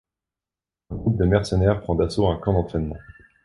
Un groupe de mercenaires prend d'assaut un camp d'entraînement.